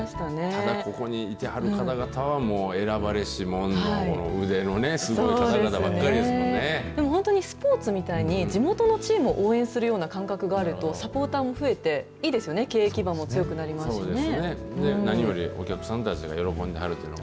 ただ、ここにいてはる方々は、もう選ばれし者、腕のすごい方々でも、本当にスポーツみたいに、地元のチームを応援するような感覚があると、サポーターも増えて、いいですよね、経営基盤も強くなりますね。